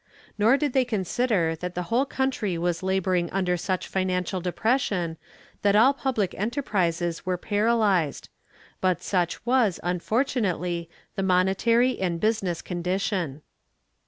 Nor did they consider that the whole country was laboring under such financial depression that all public enterprises were paralyzed; but such was, unfortunately, the monetary and business condition.